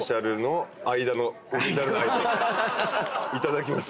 いただきます。